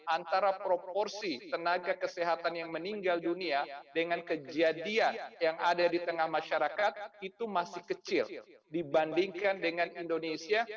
antara proporsi tenaga kesehatan yang meninggal dunia dengan kejadian yang ada di tengah masyarakat itu masih kecil dibandingkan dengan indonesia